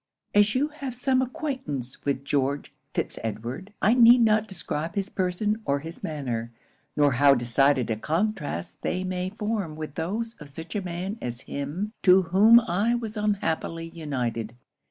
'As you have some acquaintance with George Fitz Edward, I need not describe his person or his manner; nor how decided a contrast they must form with those of such a man as him to whom I was unhappily united.